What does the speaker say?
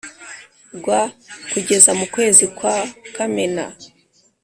oua kugeza mu kwezi kwa kamena